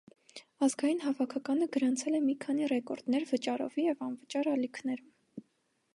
Ազգային հավաքականը գրանցել է մի քանի ռեկորդներ վճարովի և անվճար ալիքներում։